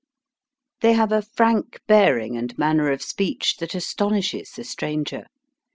They have a frank bearing and manner of speech that astonishes the stranger.